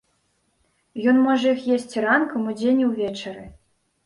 Ён можа іх есці ранкам, удзень і ўвечары!